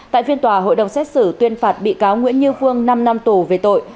tại phiên tòa hội đồng xét xử tuyên phạt bị cáo nguyễn như vương năm năm tù về tội